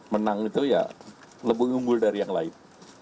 menang itu ya lebih unggul dari yang lain